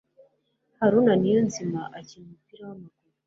haruna niyonzima akina umupira wamaguru